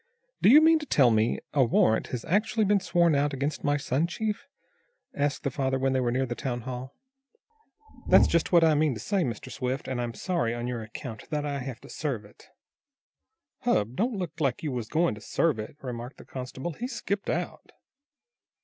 "Do you mean to tell me a warrant has actually been sworn out against my son, Chief?" asked the father, when they were near the town hall. "That's just what I mean to say, Mr. Swift, and, I'm sorry, on your account, that I have to serve it." "Hub! Don't look like you was goin' to serve it," remarked the constable. "He's skipped out."